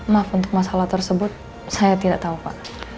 maaf untuk masalah tersebut saya tidak tahu pak